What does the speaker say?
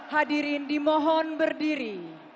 hadirin dimohon berdiri